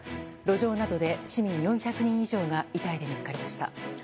路上などで市民４００人以上が遺体で見つかりました。